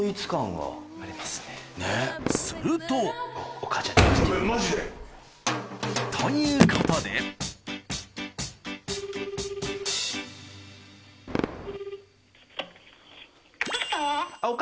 するとということであのね